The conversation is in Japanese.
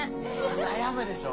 悩むでしょ？